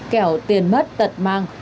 kéo tiền mất tật mang